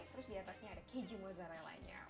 terus diatasnya ada keju mozzarella nya